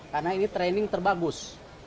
karena ini training terbagus